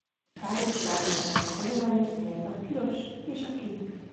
Párizs városának hagyományos színei a piros és a kék.